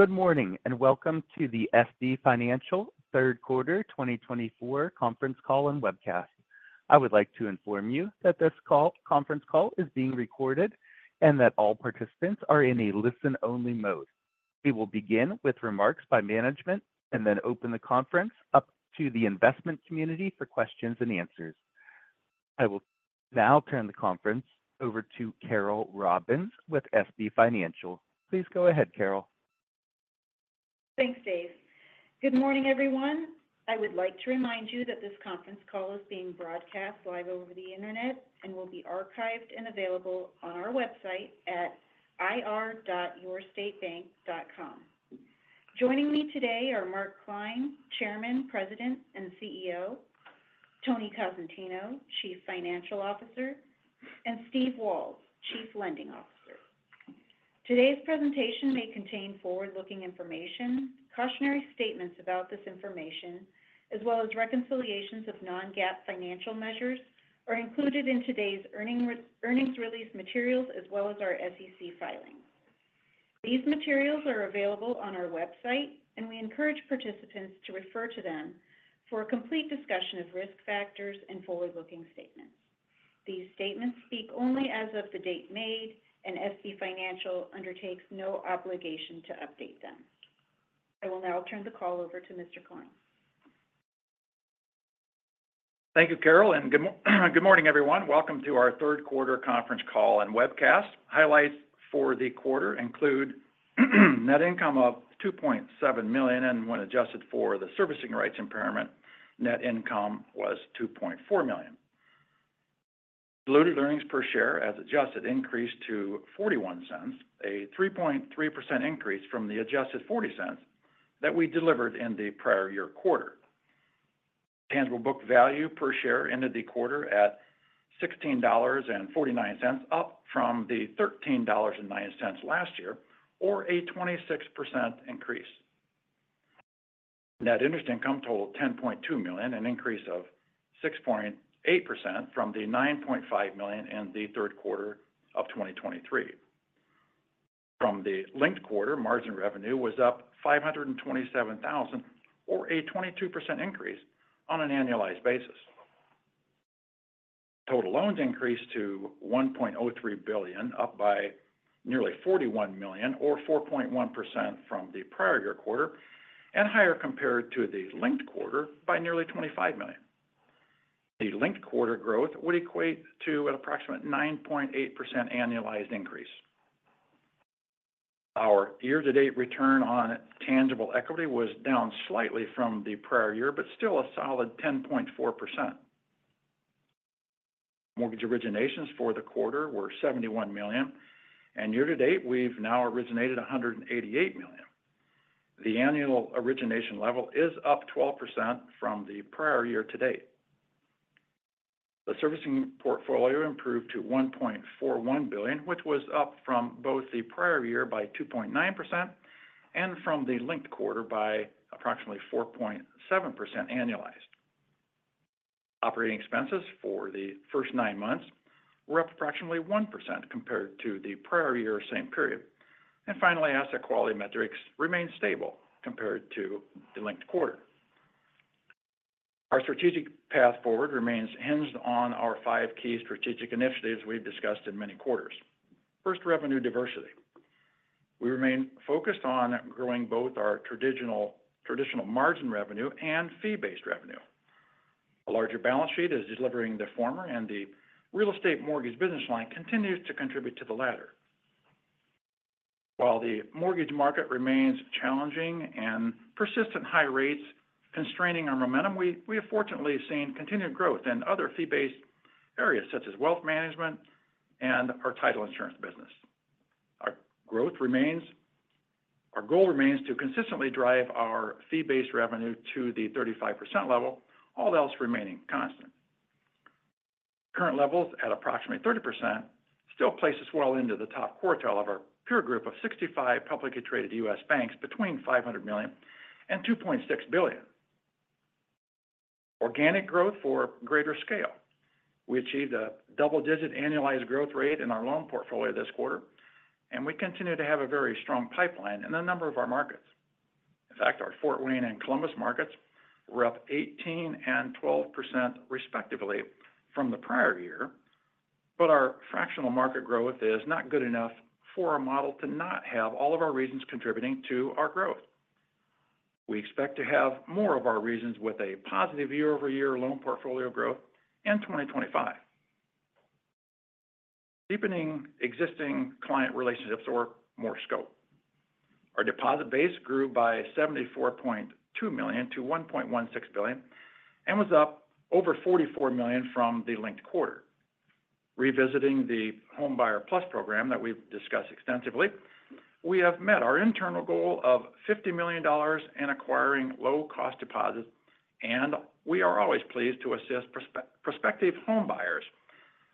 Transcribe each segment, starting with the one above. Good morning, and welcome to the SB Financial third quarter 2024 conference call and webcast. I would like to inform you that this conference call is being recorded and that all participants are in a listen-only mode. We will begin with remarks by management and then open the conference up to the investment community for questions and answers. I will now turn the conference over to Carol Robbins with SB Financial. Please go ahead, Carol. Thanks, Dave. Good morning, everyone. I would like to remind you that this conference call is being broadcast live over the internet and will be archived and available on our website at ir.yourstatebank.com. Joining me today are Mark Klein, Chairman, President, and CEO; Tony Cosentino, Chief Financial Officer; and Steve Walz, Chief Lending Officer. Today's presentation may contain forward-looking information. Cautionary statements about this information, as well as reconciliations of non-GAAP financial measures, are included in today's earnings release materials, as well as our SEC filings. These materials are available on our website, and we encourage participants to refer to them for a complete discussion of risk factors and forward-looking statements. These statements speak only as of the date made, and SB Financial undertakes no obligation to update them. I will now turn the call over to Mr. Klein. Thank you, Carol, and good morning, everyone. Welcome to our third quarter conference call and webcast. Highlights for the quarter include net income of $2.7 million, and when adjusted for the servicing rights impairment, net income was $2.4 million. Diluted earnings per share, as adjusted, increased to $0.41, a 3.3% increase from the adjusted $0.40 that we delivered in the prior year quarter. Tangible book value per share ended the quarter at $16.49, up from the $13.09 last year, or a 26% increase. Net interest income totaled $10.2 million, an increase of 6.8% from the $9.5 million in the third quarter of 2023. From the linked quarter, margin revenue was up $527,000, or a 22% increase on an annualized basis. Total loans increased to $1.03 billion, up by nearly $41 million or 4.1% from the prior year quarter, and higher compared to the linked quarter by nearly $25 million. The linked quarter growth would equate to an approximate 9.8% annualized increase. Our year-to-date return on tangible equity was down slightly from the prior year, but still a solid 10.4%. Mortgage originations for the quarter were $71 million, and year to date, we've now originated $188 million. The annual origination level is up 12% from the prior year-to-date. The servicing portfolio improved to $1.41 billion, which was up from both the prior year by 2.9% and from the linked quarter by approximately 4.7% annualized. Operating expenses for the first nine months were up approximately 1% compared to the prior year same period. Finally, asset quality metrics remained stable compared to the linked quarter. Our strategic path forward remains hinged on our five key strategic initiatives we've discussed in many quarters. First, revenue diversity. We remain focused on growing both our traditional margin revenue and fee-based revenue. A larger balance sheet is delivering the former, and the real estate mortgage business line continues to contribute to the latter. While the mortgage market remains challenging and persistent high rates constraining our momentum, we have fortunately seen continued growth in other fee-based areas such as wealth management and our title insurance business. Our goal remains to consistently drive our fee-based revenue to the 35% level, all else remaining constant. Current levels at approximately 30% still places well into the top quartile of our peer group of 65 publicly traded U.S. banks between $500 million and $2.6 billion. Organic growth for greater scale. We achieved a double-digit annualized growth rate in our loan portfolio this quarter, and we continue to have a very strong pipeline in a number of our markets. In fact, our Fort Wayne and Columbus markets were up 18% and 12%, respectively, from the prior year, but our fractional market growth is not good enough for our model to not have all of our regions contributing to our growth. We expect to have more of our regions with a positive year-over-year loan portfolio growth in 2025. Deepening existing client relationships or more scope. Our deposit base grew by $74.2 million to $1.16 billion and was up over $44 million from the linked quarter. Revisiting the Homebuyer Plus program that we've discussed extensively, we have met our internal goal of $50 million in acquiring low-cost deposits, and we are always pleased to assist prospective homebuyers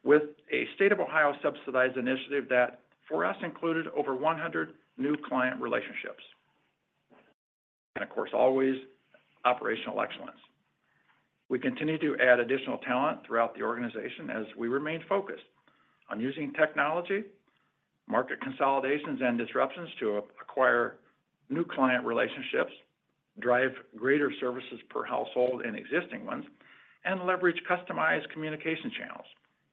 with a State of Ohio subsidized initiative that for us included over 100 new client relationships... and of course, always operational excellence. We continue to add additional talent throughout the organization as we remain focused on using technology, market consolidations, and disruptions to acquire new client relationships, drive greater services per household and existing ones, and leverage customized communication channels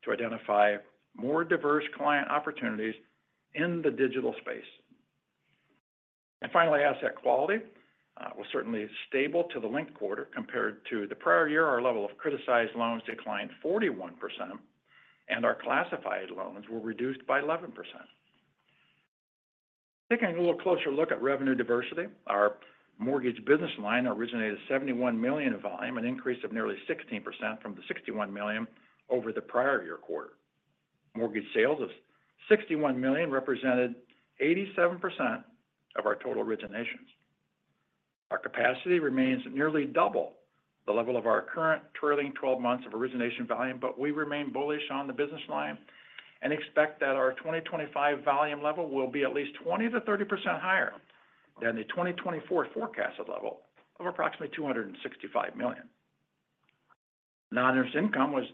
to identify more diverse client opportunities in the digital space. And finally, asset quality was certainly stable to the linked quarter. Compared to the prior year, our level of criticized loans declined 41%, and our classified loans were reduced by 11%. Taking a little closer look at revenue diversity, our mortgage business line originated $71 million in volume, an increase of nearly 16% from the $61 million over the prior year quarter. Mortgage sales of $61 million represented 87% of our total originations. Our capacity remains nearly double the level of our current trailing twelve months of origination volume, but we remain bullish on the business line and expect that our 2025 volume level will be at least 20%-30% higher than the 2024 forecasted level of approximately $265 million. Non-interest income was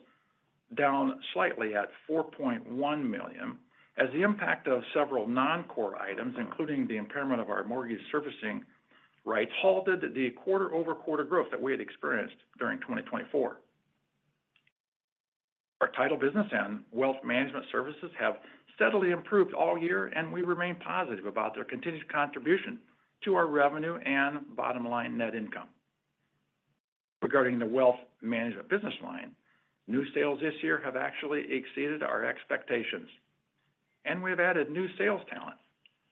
down slightly at $4.1 million, as the impact of several non-core items, including the impairment of our mortgage servicing rights, halted the quarter-over-quarter growth that we had experienced during 2024. Our title business and wealth management services have steadily improved all year, and we remain positive about their continued contribution to our revenue and bottom-line net income. Regarding the wealth management business line, new sales this year have actually exceeded our expectations, and we have added new sales talent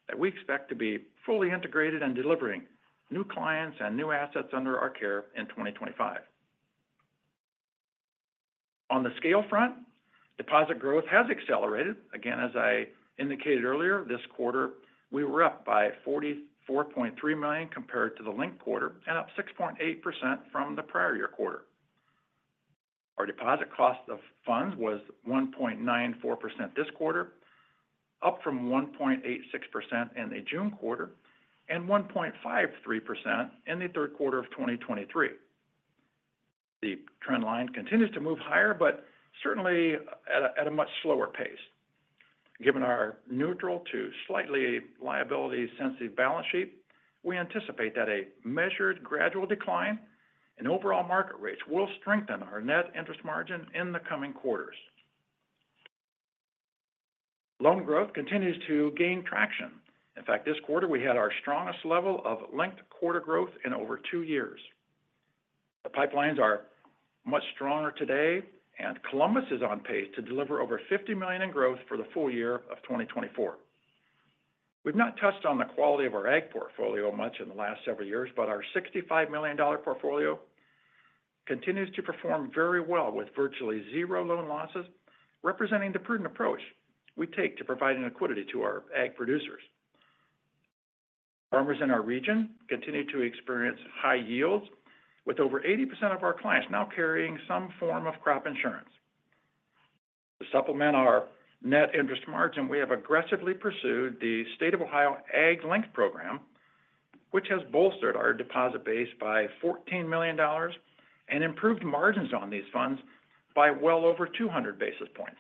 that we expect to be fully integrated and delivering new clients and new assets under our care in 2025. On the scale front, deposit growth has accelerated. Again, as I indicated earlier, this quarter, we were up by $44.3 million compared to the linked quarter and up 6.8% from the prior year quarter. Our deposit cost of funds was 1.94% this quarter, up from 1.86% in the June quarter and 1.53% in the third quarter of 2023. The trend line continues to move higher, but certainly at a much slower pace. Given our neutral to slightly liability-sensitive balance sheet, we anticipate that a measured gradual decline in overall market rates will strengthen our net interest margin in the coming quarters. Loan growth continues to gain traction. In fact, this quarter, we had our strongest level of linked quarter growth in over two years. The pipelines are much stronger today, and Columbus is on pace to deliver over $50 million in growth for the full year of 2024. We've not touched on the quality of our ag portfolio much in the last several years, but our $65 million portfolio continues to perform very well, with virtually zero loan losses, representing the prudent approach we take to providing liquidity to our ag producers. Farmers in our region continue to experience high yields, with over 80% of our clients now carrying some form of crop insurance. To supplement our net interest margin, we have aggressively pursued the State of Ohio Ag-LINK program, which has bolstered our deposit base by $14 million and improved margins on these funds by well over 200 basis points.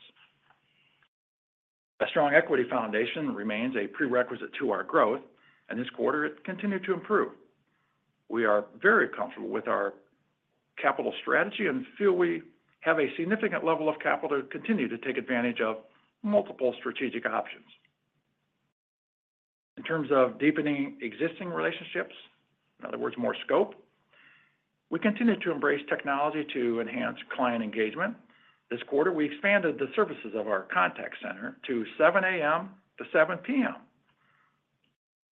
A strong equity foundation remains a prerequisite to our growth, and this quarter it continued to improve. We are very comfortable with our capital strategy and feel we have a significant level of capital to continue to take advantage of multiple strategic options. In terms of deepening existing relationships, in other words, more scope, we continue to embrace technology to enhance client engagement. This quarter, we expanded the services of our contact center to 7:00 A.M.-7:00 P.M.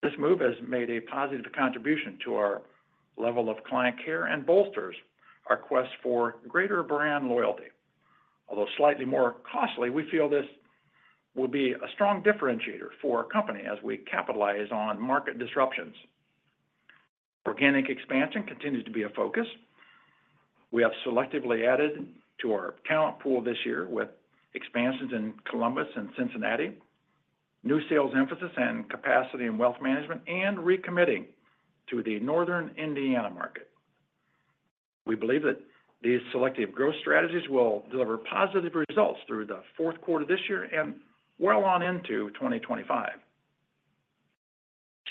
This move has made a positive contribution to our level of client care and bolsters our quest for greater brand loyalty. Although slightly more costly, we feel this will be a strong differentiator for our company as we capitalize on market disruptions. Organic expansion continues to be a focus. We have selectively added to our talent pool this year with expansions in Columbus and Cincinnati, new sales emphasis and capacity and wealth management, and recommitting to the northern Indiana market. We believe that these selective growth strategies will deliver positive results through the fourth quarter this year and well on into 2025.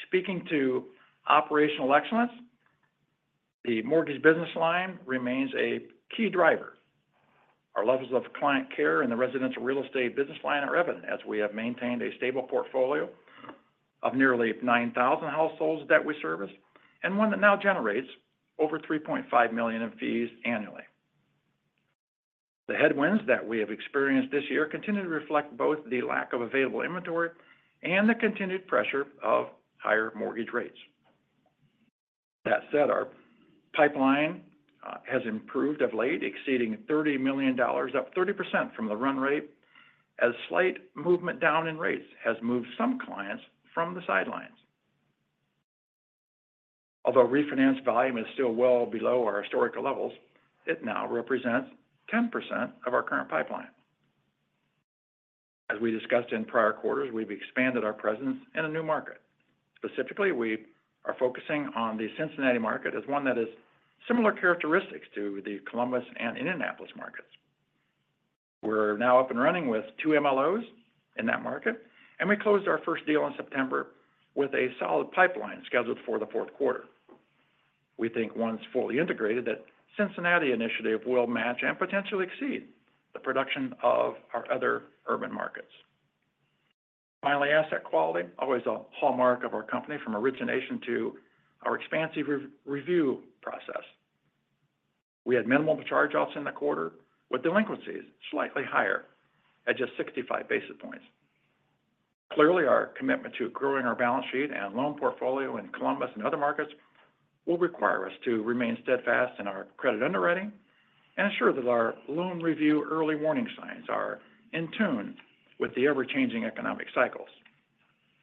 Speaking to operational excellence, the mortgage business line remains a key driver. Our levels of client care in the residential real estate business line are evident, as we have maintained a stable portfolio of nearly 9,000 households that we service, and one that now generates over $3.5 million in fees annually. The headwinds that we have experienced this year continue to reflect both the lack of available inventory and the continued pressure of higher mortgage rates. That said, our pipeline has improved of late, exceeding $30 million, up 30% from the run rate, as slight movement down in rates has moved some clients from the sidelines. Although refinance volume is still well below our historical levels, it now represents 10% of our current pipeline. As we discussed in prior quarters, we've expanded our presence in a new market. Specifically, we are focusing on the Cincinnati market as one that is similar characteristics to the Columbus and Indianapolis markets. We're now up and running with two MLOs in that market, and we closed our first deal in September with a solid pipeline scheduled for the fourth quarter. We think once fully integrated, that Cincinnati initiative will match and potentially exceed the production of our other urban markets. Finally, asset quality, always a hallmark of our company from origination to our expansive re-review process. We had minimal charge-offs in the quarter, with delinquencies slightly higher at just 65 basis points. Clearly, our commitment to growing our balance sheet and loan portfolio in Columbus and other markets will require us to remain steadfast in our credit underwriting and ensure that our loan review early warning signs are in tune with the ever-changing economic cycles.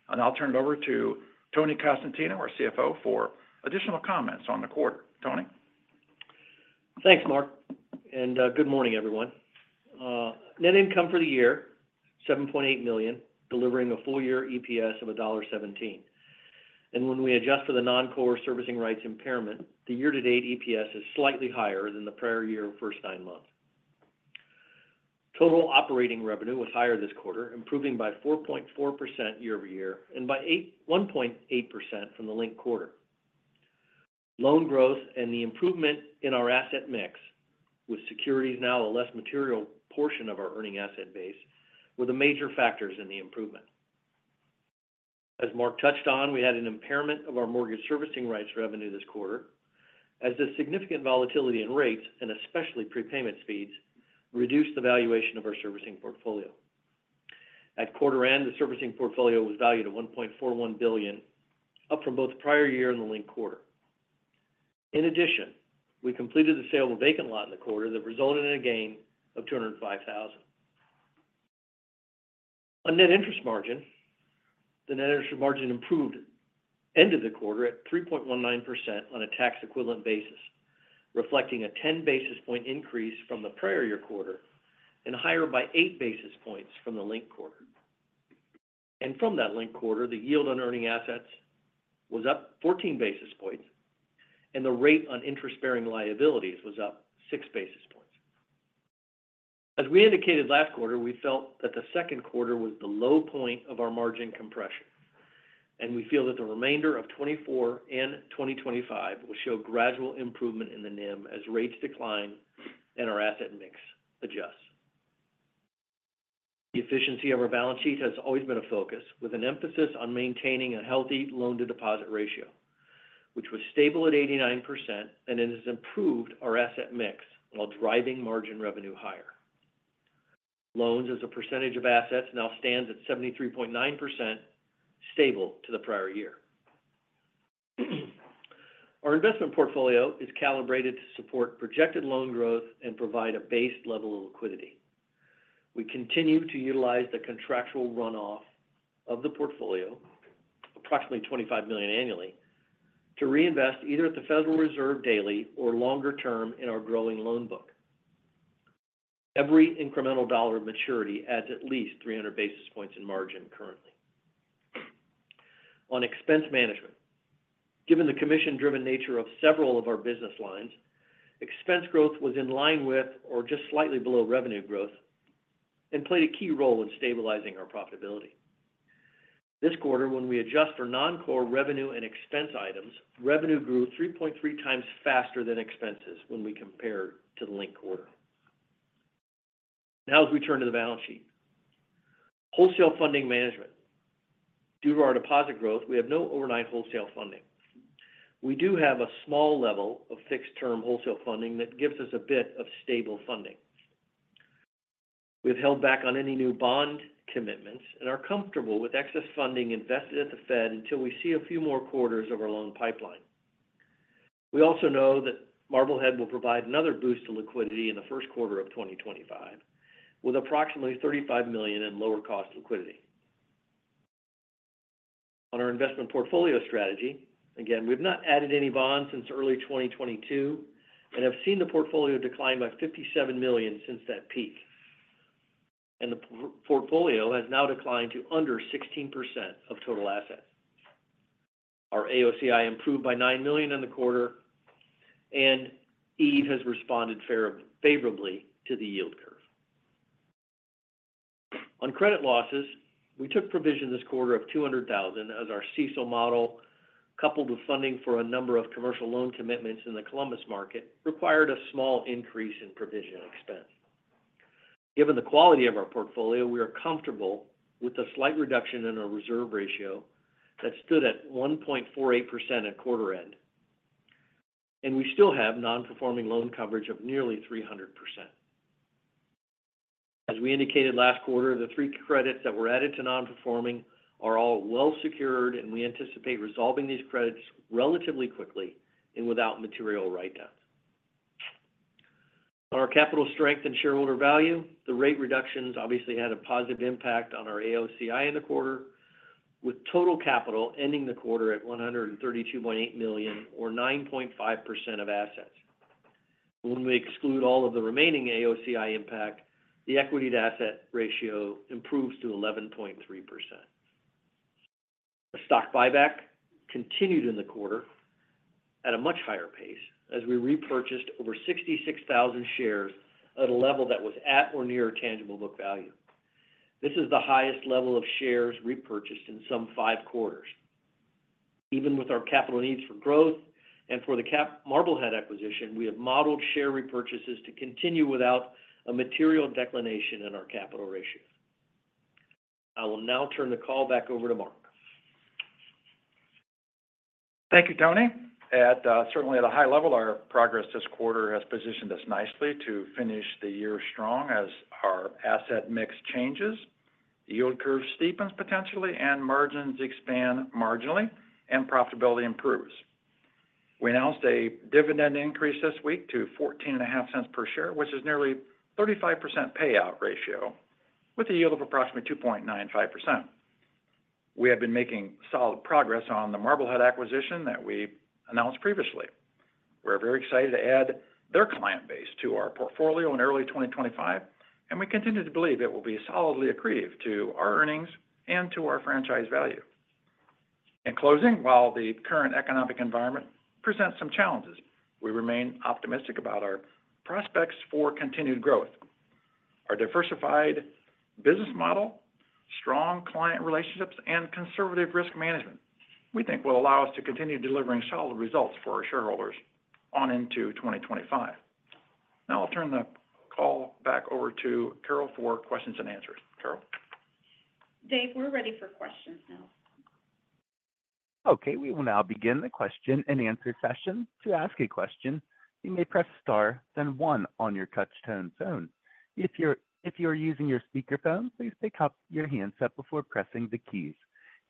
I'll now turn it over to Tony Cosentino, our CFO, for additional comments on the quarter. Tony? Thanks, Mark, and good morning, everyone. Net income for the year, $7.8 million, delivering a full-year EPS of $1.17, and when we adjust for the non-core servicing rights impairment, the year-to-date EPS is slightly higher than the prior year first nine months. Total operating revenue was higher this quarter, improving by 4.4% year-over-year and by 81.8% from the linked quarter. Loan growth and the improvement in our asset mix, with securities now a less material portion of our earning asset base, were the major factors in the improvement. As Mark touched on, we had an impairment of our mortgage servicing rights revenue this quarter, as the significant volatility in rates, and especially prepayment speeds, reduced the valuation of our servicing portfolio. At quarter end, the servicing portfolio was valued at $1.41 billion, up from both the prior year and the linked quarter. In addition, we completed the sale of a vacant lot in the quarter that resulted in a gain of $205,000. On net interest margin, the net interest margin improved end of the quarter at 3.19% on a tax equivalent basis, reflecting a ten basis point increase from the prior year quarter and higher by eight basis points from the linked quarter, and from that linked quarter, the yield on earning assets was up fourteen basis points, and the rate on interest-bearing liabilities was up six basis points. As we indicated last quarter, we felt that the second quarter was the low point of our margin compression, and we feel that the remainder of 2024 and 2025 will show gradual improvement in the NIM as rates decline and our asset mix adjusts. The efficiency of our balance sheet has always been a focus, with an emphasis on maintaining a healthy loan-to-deposit ratio, which was stable at 89% and it has improved our asset mix while driving margin revenue higher. Loans as a percentage of assets now stands at 73.9%, stable to the prior year. Our investment portfolio is calibrated to support projected loan growth and provide a base level of liquidity. We continue to utilize the contractual runoff of the portfolio, approximately $25 million annually, to reinvest either at the Federal Reserve daily or longer term in our growing loan book. Every incremental dollar of maturity adds at least 300 basis points in margin currently. On expense management, given the commission-driven nature of several of our business lines, expense growth was in line with or just slightly below revenue growth and played a key role in stabilizing our profitability. This quarter, when we adjust for non-core revenue and expense items, revenue grew 3.3x faster than expenses when we compared to the linked quarter. Now, as we turn to the balance sheet, wholesale funding management. Due to our deposit growth, we have no overnight wholesale funding. We do have a small level of fixed-term wholesale funding that gives us a bit of stable funding. We've held back on any new bond commitments and are comfortable with excess funding invested at the Fed until we see a few more quarters of our loan pipeline. We also know that Marblehead will provide another boost to liquidity in the first quarter of 2025, with approximately $35 million in lower cost liquidity. On our investment portfolio strategy, again, we've not added any bonds since early 2022 and have seen the portfolio decline by $57 million since that peak, and the portfolio has now declined to under 16% of total assets. Our AOCI improved by $9 million in the quarter, and EVE has responded favorably to the yield curve. On credit losses, we took provision this quarter of $200,000 as our CECL model, coupled with funding for a number of commercial loan commitments in the Columbus market, required a small increase in provision expense. Given the quality of our portfolio, we are comfortable with the slight reduction in our reserve ratio that stood at 1.48% at quarter end, and we still have non-performing loan coverage of nearly 300%. As we indicated last quarter, the three credits that were added to non-performing are all well secured, and we anticipate resolving these credits relatively quickly and without material write-downs. On our capital strength and shareholder value, the rate reductions obviously had a positive impact on our AOCI in the quarter, with total capital ending the quarter at $132.8 million, or 9.5% of assets. When we exclude all of the remaining AOCI impact, the equity to asset ratio improves to 11.3%. The stock buyback continued in the quarter at a much higher pace, as we repurchased over 66,000 shares at a level that was at or near tangible book value. This is the highest level of shares repurchased in some five quarters. Even with our capital needs for growth and for the Marblehead acquisition, we have modeled share repurchases to continue without a material declination in our capital ratio. I will now turn the call back over to Mark. Thank you, Tony. At certainly at a high level, our progress this quarter has positioned us nicely to finish the year strong as our asset mix changes, the yield curve steepens potentially, and margins expand marginally, and profitability improves. We announced a dividend increase this week to $0.145 per share, which is nearly 35% payout ratio, with a yield of approximately 2.95%. We have been making solid progress on the Marblehead acquisition that we announced previously. We're very excited to add their client base to our portfolio in early 2025, and we continue to believe it will be solidly accretive to our earnings and to our franchise value. In closing, while the current economic environment presents some challenges, we remain optimistic about our prospects for continued growth. Our diversified business model, strong client relationships, and conservative risk management, we think will allow us to continue delivering solid results for our shareholders on into 2025. Now I'll turn the call back over to Carol for questions and answers. Carol? Dave, we're ready for questions now. Okay, we will now begin the question and answer session. To ask a question, you may press star, then one on your touch tone phone. If you are using your speakerphone, please pick up your handset before pressing the keys.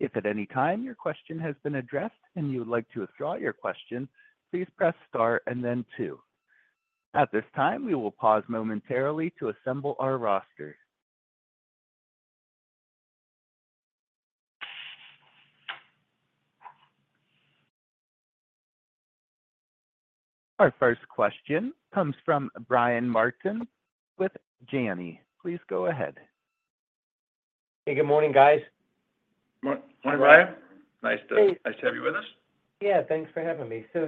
If at any time your question has been addressed and you would like to withdraw your question, please press star and then two. At this time, we will pause momentarily to assemble our roster. Our first question comes from Brian Martin with Janney. Please go ahead. Hey, good morning, guys. Good morning, Brian. Nice to- Hey- Nice to have you with us. Yeah, thanks for having me. So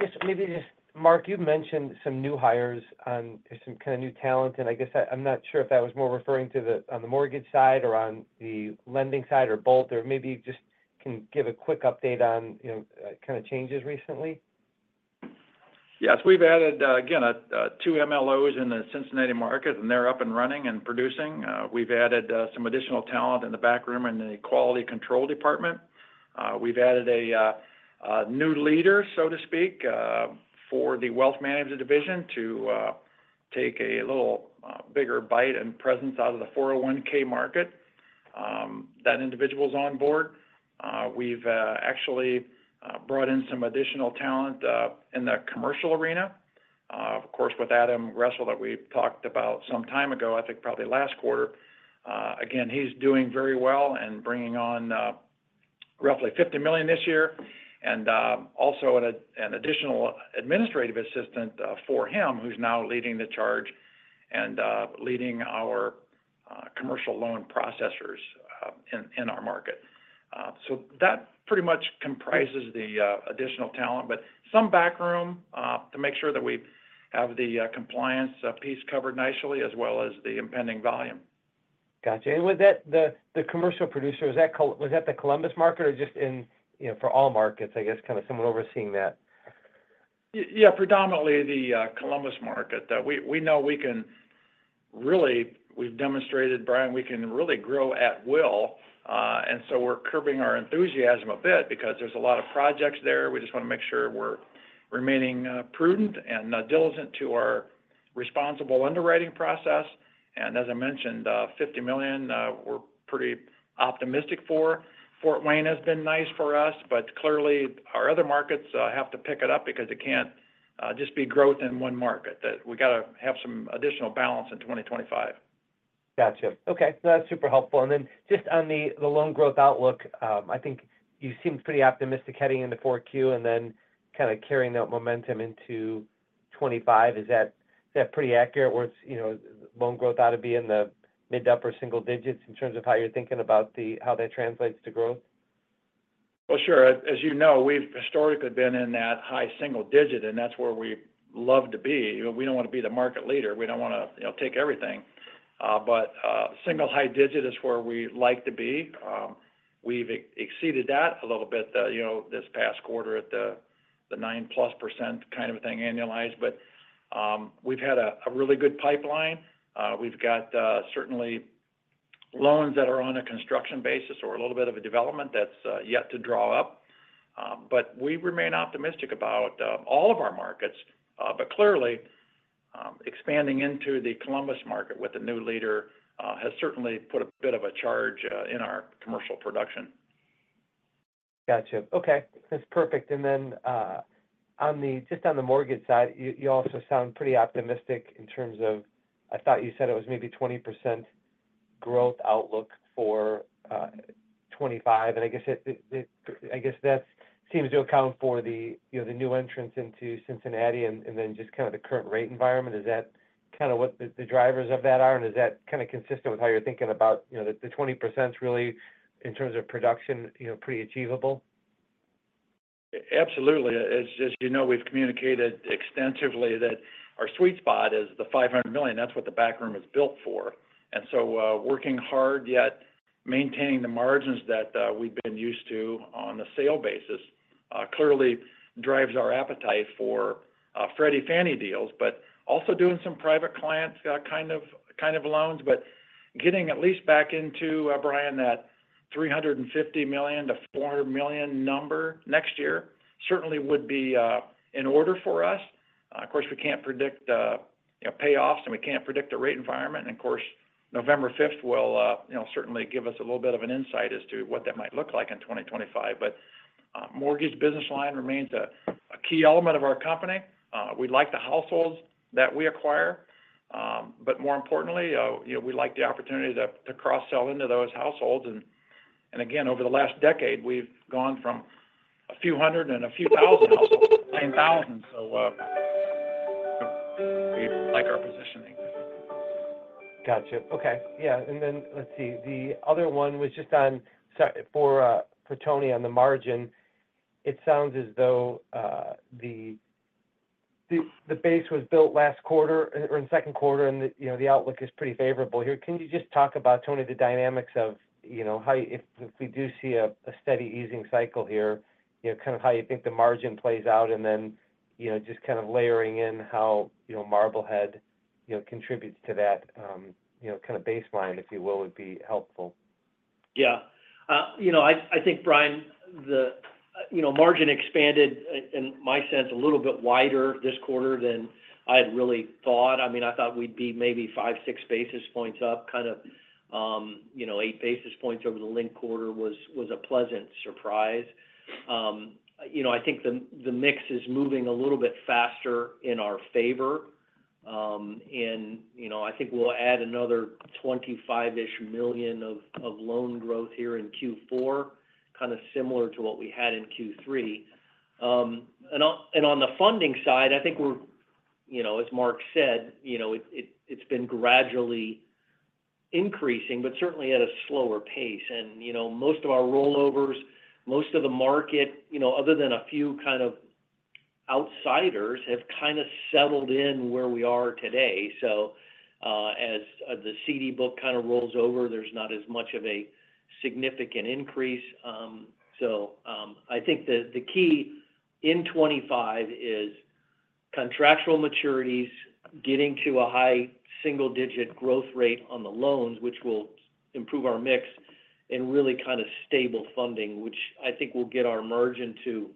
just maybe, Mark, you've mentioned some new hires on some kind of new talent, and I guess, I'm not sure if that was more referring to on the mortgage side or on the lending side or both, or maybe you just can give a quick update on, you know, kind of changes recently? Yes, we've added, again, two MLOs in the Cincinnati market, and they're up and running and producing. We've added some additional talent in the backroom in the quality control department. We've added a new leader, so to speak, for the wealth management division to take a little bigger bite and presence out of the 401K market. That individual is on board. We've actually brought in some additional talent in the commercial arena. Of course, with Adam Russell, that we talked about some time ago, I think probably last quarter. Again, he's doing very well and bringing on roughly $50 million this year, and also an additional administrative assistant for him, who's now leading the charge and leading our commercial loan processors in our market. So that pretty much comprises the additional talent, but some backroom to make sure that we have the compliance piece covered nicely, as well as the impending volume. Got you. And with that, the commercial producer, is that Columbus – was that the Columbus market or just in, you know, for all markets, I guess, kind of someone overseeing that? Yeah, predominantly the Columbus market. That we know we can really... we've demonstrated, Brian, we can really grow at will, and so we're curbing our enthusiasm a bit because there's a lot of projects there. We just want to make sure we're remaining prudent and diligent to our responsible underwriting process. And as I mentioned, $50 million, we're pretty optimistic for. Fort Wayne has been nice for us, but clearly, our other markets have to pick it up because it can't just be growth in one market. That we got to have some additional balance in 2025. Gotcha. Okay, that's super helpful. And then just on the loan growth outlook, I think you seem pretty optimistic heading into 4Q, and then kind of carrying that momentum into 2025. Is that pretty accurate where, you know, loan growth ought to be in the mid- to upper single digits in terms of how you're thinking about the how that translates to growth? Well, sure. As you know, we've historically been in that high single digit, and that's where we love to be. We don't want to be the market leader. We don't want to, you know, take everything, but single high digit is where we like to be. We've exceeded that a little bit, you know, this past quarter at the 9%+ kind of a thing, annualized. But we've had a really good pipeline. We've got certainly loans that are on a construction basis or a little bit of a development that's yet to draw up. But we remain optimistic about all of our markets, but clearly expanding into the Columbus market with a new leader has certainly put a bit of a charge in our commercial production. Gotcha. Okay, that's perfect. And then, just on the mortgage side, you also sound pretty optimistic in terms of... I thought you said it was maybe 20% growth outlook for 2025. And I guess it seems to account for the, you know, the new entrants into Cincinnati and then just kind of the current rate environment. Is that kind of what the drivers of that are? And is that kind of consistent with how you're thinking about, you know, the 20% really in terms of production, you know, pretty achievable? Absolutely. As you know, we've communicated extensively that our sweet spot is the $500 million. That's what the backroom is built for. And so, working hard, yet maintaining the margins that we've been used to on a sale basis, clearly drives our appetite for Freddie Fannie deals. But also doing some private clients kind of loans, but getting at least back into, Brian, that $350 million to $400 million number next year certainly would be in order for us. Of course, we can't predict, you know, payoffs, and we can't predict the rate environment. And of course, November fifth will, you know, certainly give us a little bit of an insight as to what that might look like in 2025. But, mortgage business line remains a key element of our company. We like the households that we acquire, but more importantly, you know, we like the opportunity to cross-sell into those households, and again, over the last decade, we've gone from a few hundred and a few thousand households to plain thousands, so we like our positioning. Gotcha. Okay. Yeah, and then, let's see. The other one was just on for Tony on the margin. It sounds as though the base was built last quarter, or in the second quarter, and you know the outlook is pretty favorable here. Can you just talk about, Tony, the dynamics of, you know, how if we do see a steady easing cycle here, you know, kind of how you think the margin plays out, and then, you know, just kind of layering in how, you know, Marblehead you know contributes to that, you know, kind of baseline, if you will, would be helpful. Yeah. You know, I think, Brian, you know, margin expanded in my sense a little bit wider this quarter than I had really thought. I mean, I thought we'd be maybe 5 basis points, 6 basis points up, kind of, you know, 8 basis points over the linked quarter was a pleasant surprise. You know, I think the mix is moving a little bit faster in our favor. And, you know, I think we'll add another $25-ish million of loan growth here in Q4, kind of similar to what we had in Q3. And on the funding side, I think we're, you know, as Mark said, you know, it's been gradually increasing, but certainly at a slower pace. And, you know, most of our rollovers, most of the market, you know, other than a few kind of outsiders, have kind of settled in where we are today. So, as the CD book kind of rolls over, there is not as much of a significant increase. So, I think the key in 2025 is contractual maturities getting to a high single-digit growth rate on the loans, which will improve our mix, and really kind of stable funding, which I think will get our margin to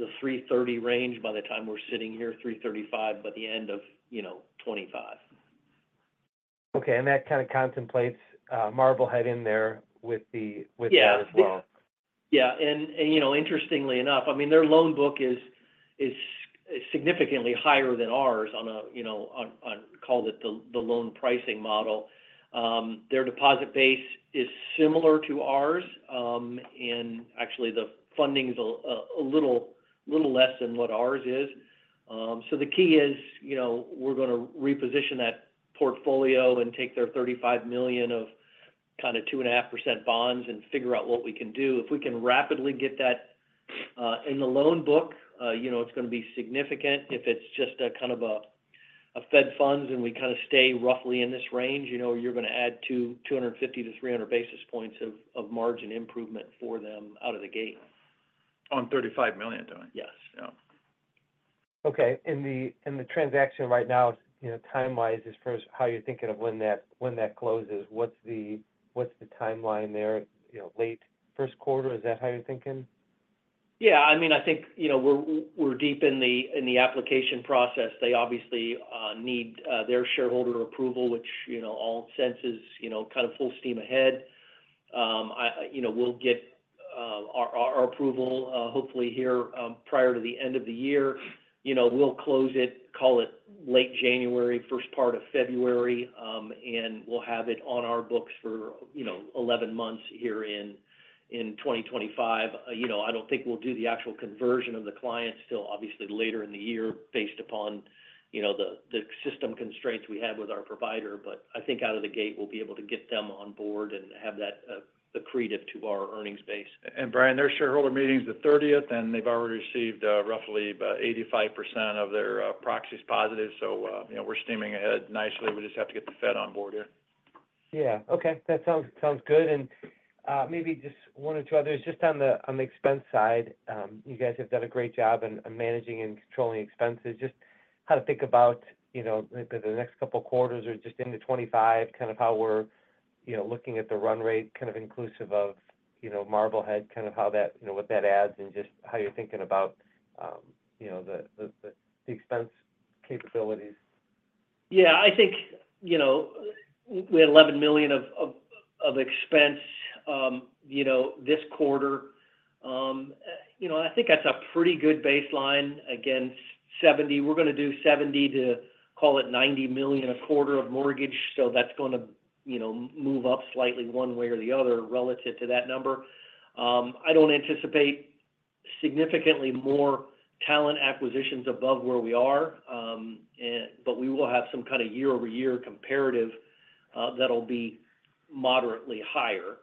the 3.30 range by the time we are sitting here, 3.35, by the end of, you know, 2025. Okay. And that kind of contemplates Marblehead in there with the- Yeah... with that as well. Yeah. And you know, interestingly enough, I mean, their loan book is significantly higher than ours on a, you know, on call it the loan pricing model. Their deposit base is similar to ours, and actually the funding is a little less than what ours is. So the key is, you know, we're gonna reposition that portfolio and take their $35 million of kind of 2.5% bonds and figure out what we can do. If we can rapidly get that in the loan book, you know, it's gonna be significant. If it's just a kind of Fed funds, and we kind of stay roughly in this range, you know, you're gonna add 250 basis points-300 basis points of margin improvement for them out of the gate. On $35 million, Tony? Yes. Yeah. Okay. In the transaction right now, you know, time-wise, as far as how you're thinking of when that closes, what's the timeline there? You know, late first quarter, is that how you're thinking? Yeah, I mean, I think, you know, we're deep in the application process. They obviously need their shareholder approval, which, you know, all signs, you know, kind of full steam ahead. I, you know, we'll get our approval hopefully here prior to the end of the year. You know, we'll close it, call it late January, first part of February, and we'll have it on our books for, you know, 11 months here in 2025. You know, I don't think we'll do the actual conversion of the clients till obviously later in the year, based upon, you know, the system constraints we have with our provider. But I think out of the gate, we'll be able to get them on board and have that accretive to our earnings base. Brian, their shareholder meeting is the 30th, and they've already received roughly about 85% of their proxies positive. So, you know, we're steaming ahead nicely. We just have to get the Fed on board here. Yeah. Okay, that sounds good. And, maybe just one or two others, just on the expense side. You guys have done a great job in managing and controlling expenses. Just how to think about, you know, maybe the next couple of quarters or just into 2025, kind of how we're, you know, looking at the run rate, kind of inclusive of, you know, Marblehead, kind of how that... you know, what that adds, and just how you're thinking about, you know, the expense capabilities. Yeah, I think, you know, we had $11 million of expense, you know, this quarter. You know, I think that's a pretty good baseline against $70 million. We're gonna do $70 million to call it $90 million a quarter of mortgage, so that's gonna, you know, move up slightly one way or the other relative to that number. I don't anticipate significantly more talent acquisitions above where we are, and but we will have some kind of year-over-year comparative, that'll be moderately higher.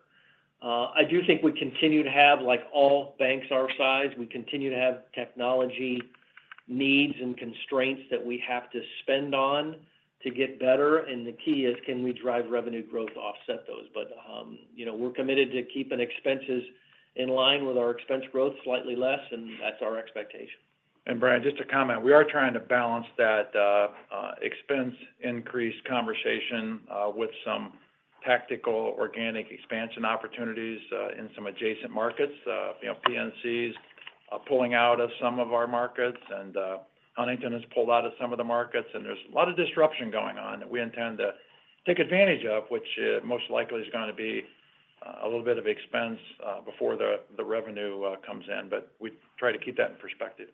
I do think we continue to have, like all banks our size, we continue to have technology needs and constraints that we have to spend on to get better, and the key is, can we drive revenue growth to offset those? But, you know, we're committed to keeping expenses in line with our expense growth slightly less, and that's our expectation. Brian, just to comment, we are trying to balance that expense increase conversation with some tactical organic expansion opportunities in some adjacent markets. You know, PNC's pulling out of some of our markets, and Huntington has pulled out of some of the markets, and there's a lot of disruption going on that we intend to take advantage of, which most likely is gonna be a little bit of expense before the revenue comes in. But we try to keep that in perspective.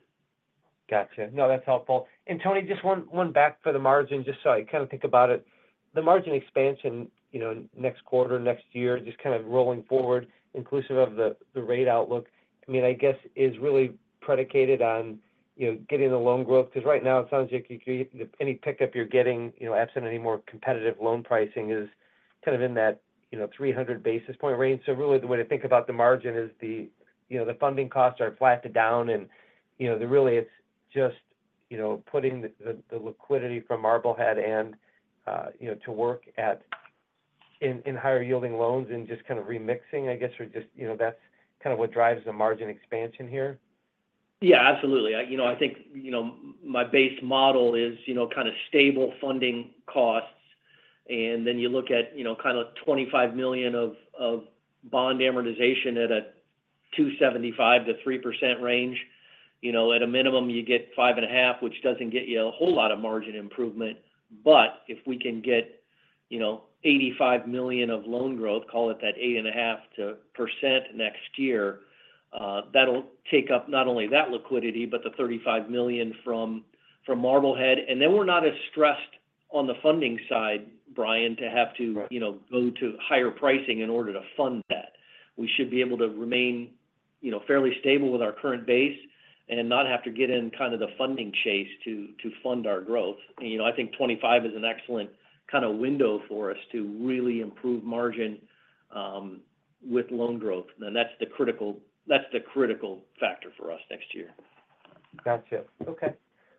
Gotcha. No, that's helpful. And Tony, just one back for the margin, just so I kind of think about it. The margin expansion, you know, next quarter, next year, just kind of rolling forward, inclusive of the rate outlook, I mean, I guess is really predicated on, you know, getting the loan growth. Because right now, it sounds like you any pickup you're getting, you know, absent any more competitive loan pricing is kind of in that, you know, 300 basis point range. So really, the way to think about the margin is the, you know, the funding costs are flat to down and, you know, really it's just, you know, putting the liquidity from Marblehead and, you know, to work in higher-yielding loans and just kind of remixing, I guess, or just, you know, that's kind of what drives the margin expansion here? Yeah, absolutely. You know, I think you know my base model is you know kind of stable funding costs, and then you look at you know kind of $25 million of bond amortization at a 2.75%-3% range. You know, at a minimum, you get 5.5%, which doesn't get you a whole lot of margin improvement. But if we can get you know $85 million of loan growth, call it that 8.5%-9% next year, that'll take up not only that liquidity, but the $35 million from Marblehead. And then we're not as stressed on the funding side, Brian, to have to- Right... you know, go to higher pricing in order to fund that. We should be able to remain, you know, fairly stable with our current base and not have to get in kind of the funding chase to fund our growth. You know, I think 2025 is an excellent kind of window for us to really improve margin with loan growth, and that's the critical factor for us next year. Gotcha. Okay.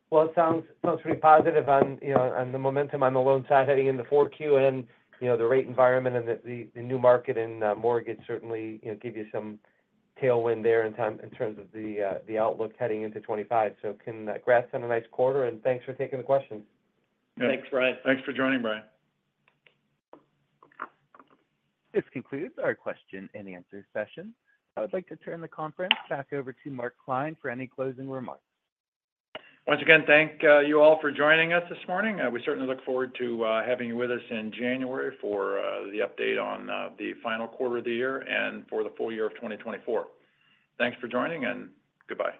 Well, it sounds pretty positive on, you know, on the momentum on the loan side, heading into 4Q, and, you know, the rate environment and the new market and mortgage certainly, you know, give you some tailwind there in terms of the outlook heading into 2025. So congrats on a nice quarter, and thanks for taking the questions. Thanks, Brian. Thanks for joining, Brian. This concludes our question and answer session. I would like to turn the conference back over to Mark Klein for any closing remarks. Once again, thank you all for joining us this morning. We certainly look forward to having you with us in January for the update on the final quarter of the year and for the full year of 2024. Thanks for joining, and goodbye.